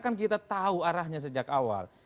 kan kita tahu arahnya sejak awal